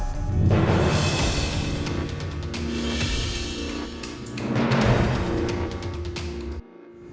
mama juga dapet